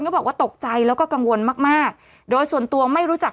บอกว่าตกใจแล้วก็กังวลมากมากโดยส่วนตัวไม่รู้จัก